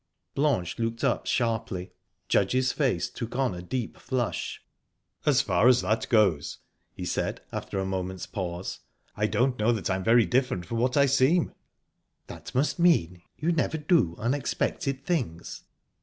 Blanche looked up sharply. Judge's face took on a deep flush. "As far as that goes," he said, after a moment's pause, "I don't know that I'm very different from what I seem." "That must mean, you never do unexpected things?